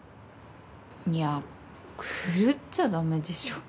いや狂っちゃだめでしょ。